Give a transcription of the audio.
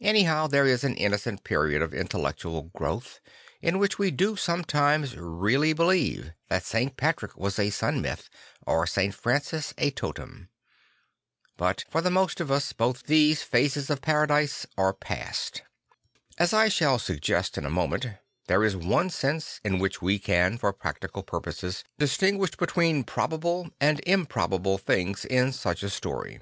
Anyhow there is an innocent period of intellectual growth in which we do sometimes really believe that St. Patrick was a Sun Myth or St. Francis a Totem. But for the most of us both those phases of paradise are past. As I shall suggest in a moment, there is one sense in which we can for practical purposes distinguish between probable and improbable things in such a story.